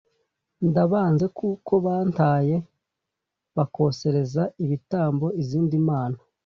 Ndabanze kuko bantaye bakosereza ibitambo izindi mana